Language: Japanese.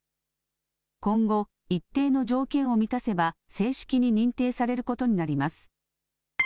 今後、一定の条件を満たせば、正式に認定されることになります。